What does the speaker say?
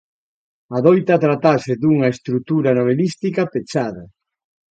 Adoita tratarse dunha estrutura novelística pechada.